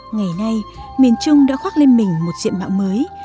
ngày nay miền trung đã khoác lên mình một diện mạo mới